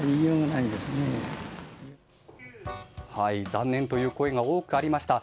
残念という声が多くありました。